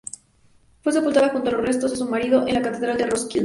Fue sepultada junto a los restos de su marido en la Catedral de Roskilde.